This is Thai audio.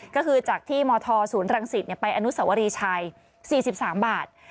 ก็คือจากที่มธศูนย์รังสิตไปอนุสวรีชัย๔๓บาท